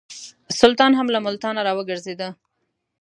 سلطان هم له ملتانه را وګرځېدی.